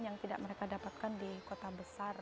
yang tidak mereka dapatkan di kota besar